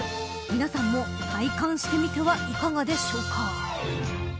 皆さんも体感してみてはいかがでしょうか。